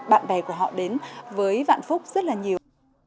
bạn bè của họ đến với vạn phúc rất là nhiều